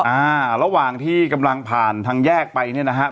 อ่าระหว่างที่กำลังผ่านทางแยกไปเนี่ยนะฮะ